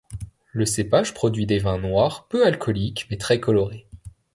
Le cépage produit des vins noirs peu alcoolique mais très colorés.